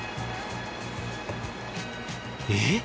えっ！